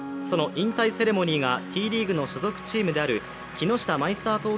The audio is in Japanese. その引退セレモニーがＴリーグの所属チームである木下マイスター